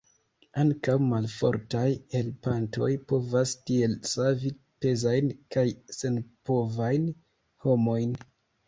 Ankaŭ malfortaj helpantoj povas tiel savi pezajn kaj senpovajn homojn.